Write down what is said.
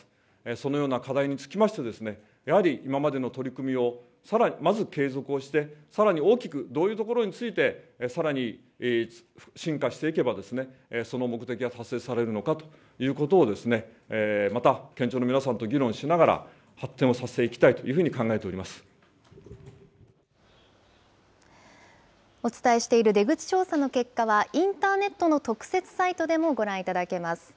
そのような課題につきまして、やはり、今までの取り組みを、まず継続して、さらに大きく、どういうところについて、さらに進化していけばその目的は達成されるのかということを、また県庁の皆さんと議論しながら、発展をさせていきたいというふうお伝えしている出口調査の結果は、インターネットの特設サイトでもご覧いただけます。